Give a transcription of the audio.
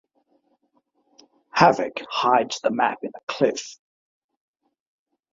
Havoc hides the map in a cliff.